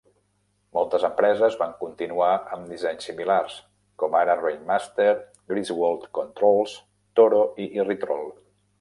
Moltes empreses van continuar amb dissenys similars, com ara Rainmaster, Griswold Controls, Toro, i Irritrol.